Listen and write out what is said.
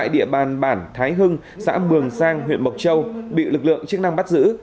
địa bàn bản thái hưng xã mường sang huyện mộc châu bị lực lượng chức năng bắt giữ